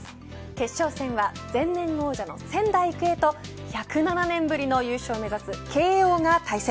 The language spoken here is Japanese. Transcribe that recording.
決勝戦は前年王者の仙台育英と１０７年ぶりの優勝を目指す慶応が対戦。